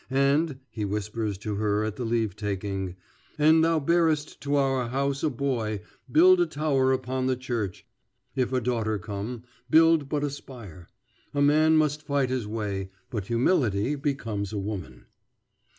"And," he whispers to her at the leave taking, "an' thou bearest to our house a boy, build a tower upon the church; if a daughter come, build but a spire. A man must fight his way, but humility becomes a woman."